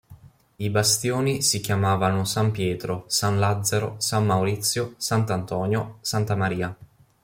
I bastioni si chiamavano San Pietro, San Lazzaro, San Maurizio, Sant'Antonio, Santa Maria.